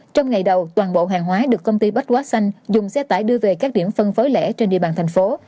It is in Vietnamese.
trong ngày đầu toàn bộ hàng hóa được công ty bách quá xanh dùng xe tải đưa về các điểm phân phối lẻ trên địa bàn thành phố